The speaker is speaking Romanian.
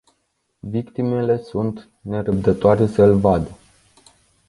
Victimele sunt nerăbdătoare să îl vadă.